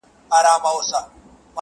صحرايي چي ورته وکتل حیران سو!.